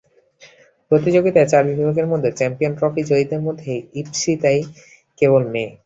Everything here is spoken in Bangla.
প্রতিযোগিতায় চার বিভাগের মধ্যে চ্যাম্পিয়ন ট্রফি জয়ীদের মধ্যে ঈপ্সিতাই কেবল মেয়ে।